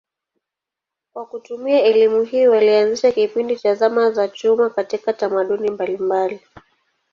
Kwa kutumia elimu hii walianzisha kipindi cha zama za chuma katika tamaduni mbalimbali.